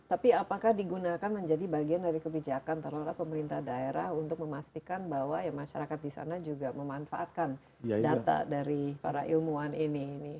tapi apakah digunakan menjadi bagian dari kebijakan terlola pemerintah daerah untuk memastikan bahwa masyarakat di sana juga memanfaatkan data dari para ilmuwan ini